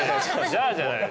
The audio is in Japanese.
じゃあじゃない。